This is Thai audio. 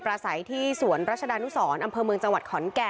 อ๋อมากี่เขาตะโกนอะไรนะ